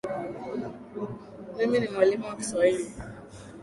Mimi ni mwalimu wa kiswahili